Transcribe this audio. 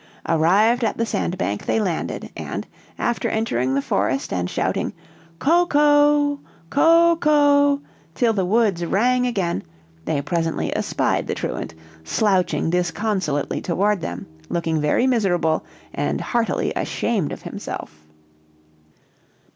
Arrived at the sandbank, they landed; and, after entering the forest and shouting "Coco, Coco!" till the woods rang again, they presently espied the truant, slouching disconsolately toward them, looking very miserable and heartily ashamed of himself.